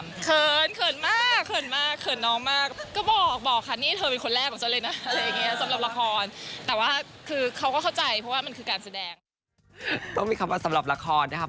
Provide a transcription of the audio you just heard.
เผินเผินมากเผินมากเผินน้องมาก